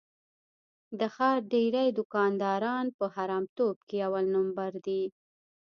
د ښار ډېری دوکانداران په حرامتوب کې اول لمبر دي.